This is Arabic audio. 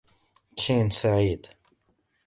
كين سعيد.